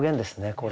これ。